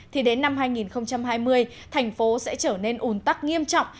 thì đến năm hai nghìn hai mươi thành phố sẽ trở nên ủn tắc nghiêm trọng